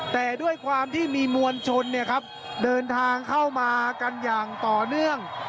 แต่ด้วยความที่มีมวลชนเดินทางเข้ามากันอย่างต่อเนื่อง